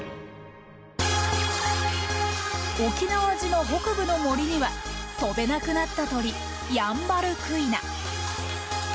沖縄島北部の森には飛べなくなった鳥ヤンバルクイナ。